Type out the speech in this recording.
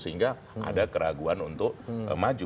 sehingga ada keraguan untuk maju